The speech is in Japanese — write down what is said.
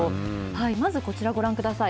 まずこちらご覧ください。